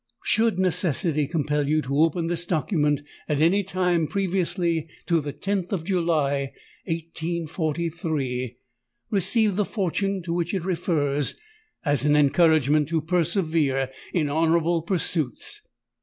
_ "Should necessity compel you to open this document at any time previously to the 10th of July, 1843, receive the fortune to which it refers as an encouragement to persevere in honourable pursuits.